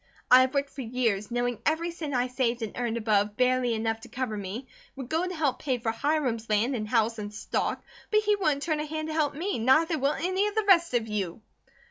I have worked for years, knowing every cent I saved and earned above barely enough to cover me, would go to help pay for Hiram's land and house and stock; but he wouldn't turn a hand to help me, neither will any of the rest of you."